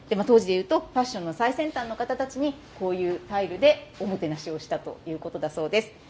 当時でいうとファッションの最先端の方たちにこういうタイルでおもてなしをしたということだそうです。